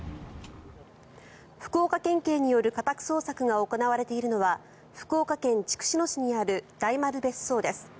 福岡県警による家宅捜索が行われているのは福岡県筑紫野市にある大丸別荘です。